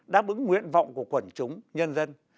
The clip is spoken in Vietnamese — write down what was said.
đáp ứng nguyện vọng của quần chúng nhân dân